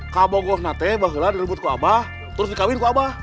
kak bogor nate bahkan ada yang rambut kak abah terus nikahin kak abah